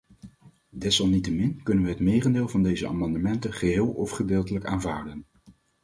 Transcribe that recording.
Desalniettemin kunnen we het merendeel van deze amendementen, geheel of gedeeltelijk, aanvaarden.